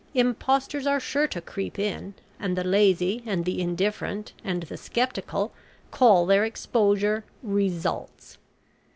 Impostors are sure to creep in, and the lazy and the indifferent and the sceptical call their exposure `results.'